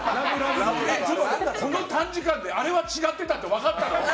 この短時間であれは違ってたって分かったの？